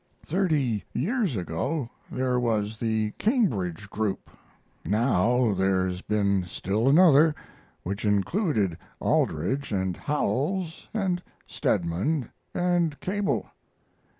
"Thirty years ago there was the Cambridge group. Now there's been still another, which included Aldrich and Howells and Stedman and Cable.